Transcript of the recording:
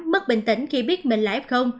mất bình tĩnh khi biết mình là f